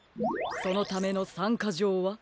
そのための３かじょうは？